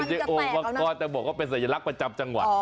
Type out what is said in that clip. ผมจะกินโอ่งก่อนแต่บอกว่าเป็นสัญลักษณ์ประจำจังหวัด